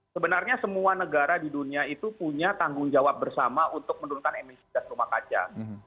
sebenarnya semua negara di dunia itu punya tanggung jawab bersama untuk menurunkan emisi gas rumah kaca